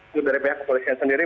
itu dari pihak kepolisian sendiri